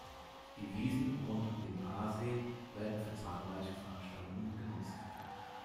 Die Wiesen rund um den Aasee werden für zahlreiche Veranstaltungen genutzt.